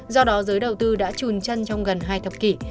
do đó giới đầu tư đã trùn chân trong gần hai thập kỷ